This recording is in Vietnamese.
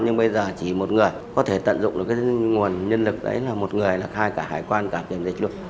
nhưng bây giờ chỉ một người có thể tận dụng được nguồn nhân lực đấy là một người là khai cả hải quan cả kiểm dịch luôn